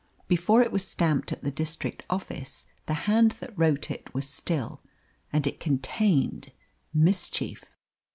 Before it was stamped at the district office the hand that wrote it was still. And it contained mischief.